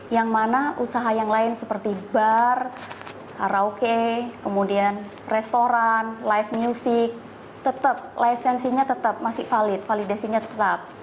yang mana usaha yang lain seperti bar karaoke kemudian restoran live music tetap lisensinya tetap masih valid validasinya tetap